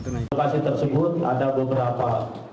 di lokasi tersebut ada beberapa